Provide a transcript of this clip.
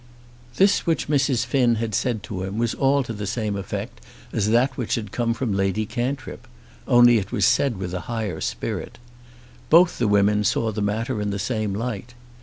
This which Mrs. Finn had said to him was all to the same effect as that which had come from Lady Cantrip; only it was said with a higher spirit. Both the women saw the matter in the same light.